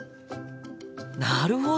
なるほど！